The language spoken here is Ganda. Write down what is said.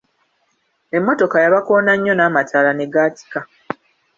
Emmotoka yabakoona nnyo n'amataala ne gaatikka.